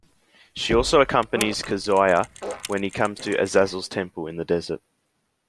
She also accompanies Kazuya when he comes to Azazel's Temple in the desert.